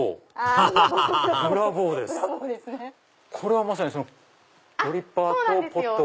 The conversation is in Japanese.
ハハハハハこれはまさにドリッパーとポットが。